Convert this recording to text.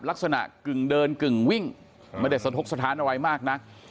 ลักษณะกึ่งเดินกึ่งวิ่งไม่ได้สะทกสถานอะไรมากนัก